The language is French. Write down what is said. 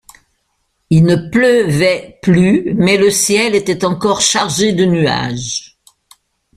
Il ne pleuvait plus, mais le ciel était encore chargé de nuages.